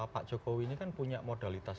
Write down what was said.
pak jokowi ini kan punya modalitas